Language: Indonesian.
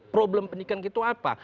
problem pendidikan itu apa